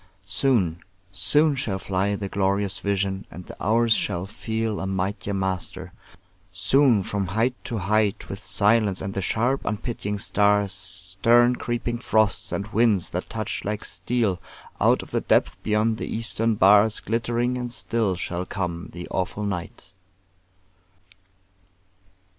Soon, soon shall fly The glorious vision, and the hours shall feel A mightier master; soon from height to height, With silence and the sharp unpitying stars, Stern creeping frosts, and winds that touch like steel, Out of the depth beyond the eastern bars, Glittering and still shall come the awful night.